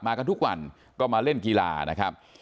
กันทุกวันก็มาเล่นกีฬานะครับ